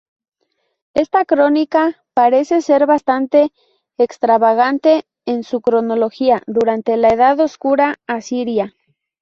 Esta crónica parece ser bastante extravagante en su cronología durante la edad oscura asiria.